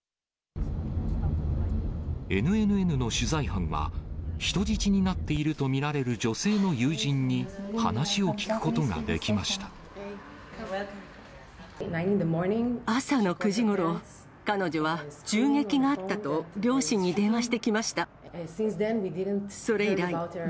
ＮＮＮの取材班は、人質になっていると見られる女性の友人に、朝の９時ごろ、彼女は銃撃があったと両親に電話してきました。